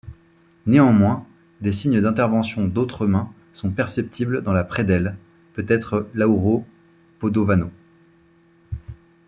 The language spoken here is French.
Néanmoins des signes d'interventions d'autres mains sont perceptibles dans la prédelle, peut-être Lauro Padovano.